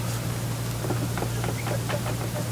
د ښکاري او د مېرمني ورته پام سو